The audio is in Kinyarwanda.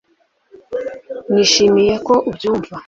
nishimiye ko ubyumva